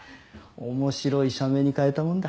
面白い社名に変えたもんだ。